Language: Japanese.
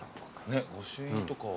ねっ御朱印とかは。